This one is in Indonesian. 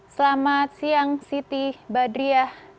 selamat siang siti badriah